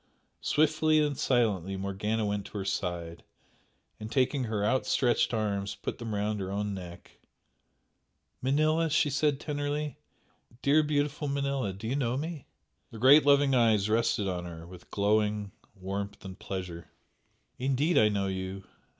Swiftly and silently Morgana went to her side, and taking her outstretched arms put them round her own neck. "Manella!" she said, tenderly "Dear, beautiful Manella! Do you know me?" The great loving eyes rested on her with glowing warmth and pleasure. "Indeed I know you!"